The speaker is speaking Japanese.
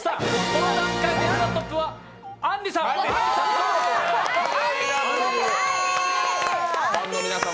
この段階でトップはあんりさん。